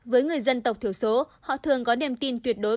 với người dân tộc thiểu số họ thường có niềm tin tuyệt đối